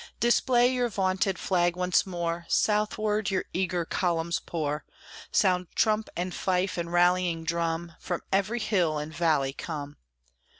Display your vaunted flag once more, Southward your eager columns pour! Sound trump, and fife, and rallying drum; From every hill and valley come.